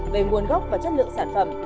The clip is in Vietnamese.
về nguồn gốc và chất lượng sản phẩm